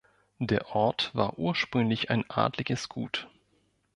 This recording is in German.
Der Ort war ursprünglich ein adliges Gut.